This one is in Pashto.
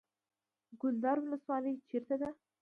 کلدار ولسوالۍ چیرته ده؟